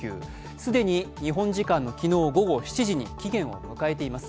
既に日本時間の昨日午後７時に期限を迎えています。